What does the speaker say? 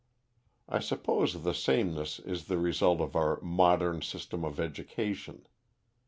I suppose this sameness is the result of our modern system of education.